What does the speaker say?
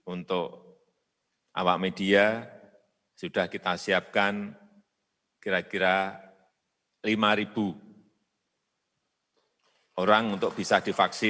untuk awak media sudah kita siapkan kira kira lima orang untuk bisa divaksin